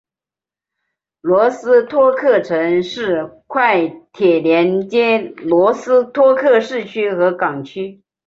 罗斯托克城市快铁连接罗斯托克市区和港区。